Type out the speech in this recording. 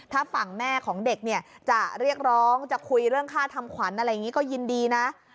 ถ้าฝั่งแม่ของเด็กเนี่ยจะเรียกร้องจะคุยเรื่องค่าทำขวัญอะไรอย่างนี้ก็ยินดีนะ